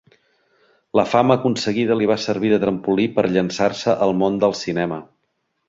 La fama aconseguida li va servir de trampolí per llançar-se al món del cinema.